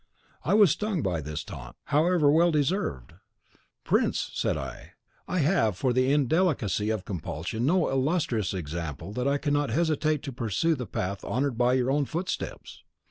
"I was stung by this taunt, however well deserved. 'Prince,' said I, 'I have for the indelicacy of compulsion so illustrious an example that I cannot hesitate to pursue the path honoured by your own footsteps.